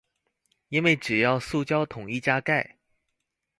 因為只要塑膠桶一加蓋